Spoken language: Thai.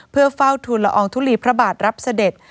เพื่อเฝ้าทุนละอองทุลีพระบาทรับเสด็จ